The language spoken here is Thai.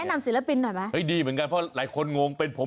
นำศิลปินหน่อยไหมเฮ้ยดีเหมือนกันเพราะหลายคนงงเป็นผม